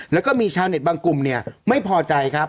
แล้วก็มีชาวเน็ตบางกลุ่มเนี่ยไม่พอใจครับ